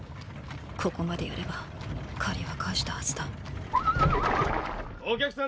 ここまでやれば借りは返したはずだ・お客さん